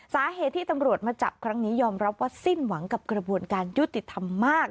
สาเหตุที่ตำรวจมาจับครั้งนี้ยอมรับว่าสิ้นหวังกับกระบวนการยุติธรรมมาก